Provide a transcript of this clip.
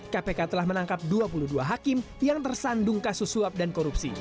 kpk telah menangkap dua puluh dua hakim yang tersandung kasus suap dan korupsi